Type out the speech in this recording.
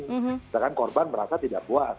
misalkan korban merasa tidak puas